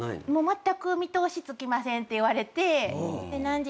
まったく見通しつきませんって言われて何時？